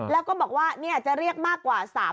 แล้วก็บอกว่าจะเรียกมากกว่า๓๐๐